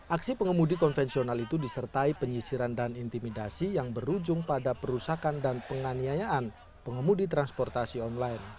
aksi pengemudi konvensional itu disertai penyisiran dan intimidasi yang berujung pada perusakan dan penganiayaan pengemudi transportasi online